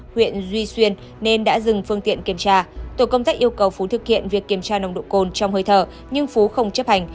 huyện duy xuyên nên đã dừng phương tiện kiểm tra tổ công tác yêu cầu phú thực hiện việc kiểm tra nồng độ cồn trong hơi thở nhưng phú không chấp hành